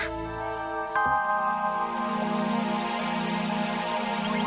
sumbi ada apa